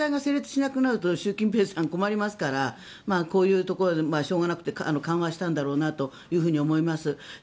大会が成立しなくなると習近平さん、困りますからこういうところはしょうがなくて緩和したんだろうなと思います。